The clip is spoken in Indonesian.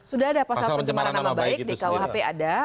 sudah ada pasal pencemaran nama baik di kuhp ada